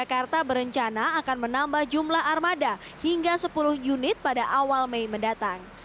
jakarta berencana akan menambah jumlah armada hingga sepuluh unit pada awal mei mendatang